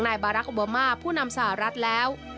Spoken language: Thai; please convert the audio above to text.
นายบารักษ์โอบาหม่าผู้นำสหรัฐแล้ว